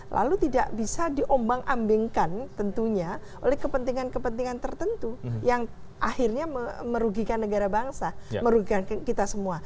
lalu tidak bisa diombang ambingkan tentunya oleh kepentingan kepentingan tertentu yang akhirnya merugikan negara bangsa merugikan kita semua